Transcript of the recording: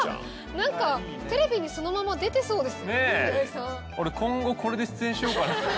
なんかテレビにそのまま出てそうです。